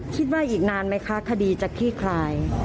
คิดว่าอีกนานไหมคะคดีจากที่ใคร